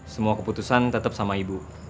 semua keputusan tetap sama ibu